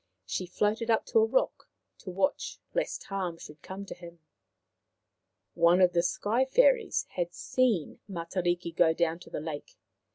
She floated up to a rock to watch lest harm should come to him. One of the Sky fairies had seen Matariki go down to the lake.